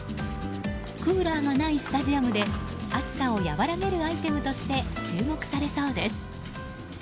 クーラーがないスタジアムで暑さを和らげるアイテムとして注目されそうです。